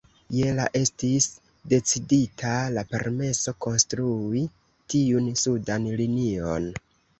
Je la estis decidita la permeso konstrui tiun sudan linion.